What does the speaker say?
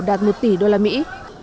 đạt một tỷ đô la mỹ